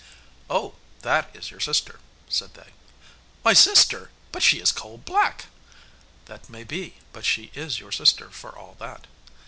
'Oh, that is your sister!' said they. 'My sister! but she is coal black!' 'That may be, but she is your sister for all that.